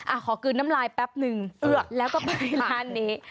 ขอกลืนน้ำลายแป๊บนึงเอือกแล้วก็ไปที่ร้านนี้